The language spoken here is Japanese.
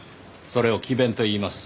それを詭弁と言います。